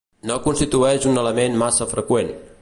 No constitueix un element massa freqüent.